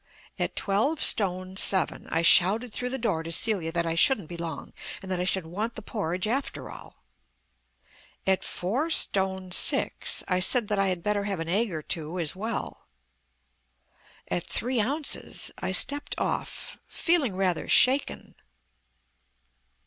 At twelve stone seven I shouted through the door to Celia that I shouldn't be long, and that I should want the porridge after all.... At four stone six I said that I had better have an egg or two as well. At three ounces I stepped off, feeling rather shaken.